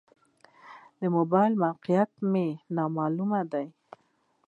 د موبایل موقعیت مې نا معلومه ده.